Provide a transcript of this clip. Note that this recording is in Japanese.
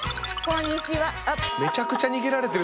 こんにちは。